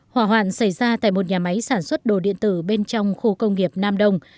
hỏa hoạn xảy ra tại một nhà máy sản xuất đồ điện tử bên trong khu công nghiệp nam đông